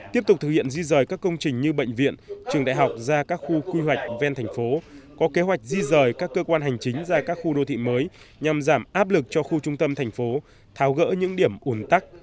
tiếp tục thực hiện di rời các công trình như bệnh viện trường đại học ra các khu quy hoạch ven thành phố có kế hoạch di rời các cơ quan hành chính ra các khu đô thị mới nhằm giảm áp lực cho khu trung tâm thành phố tháo gỡ những điểm ủn tắc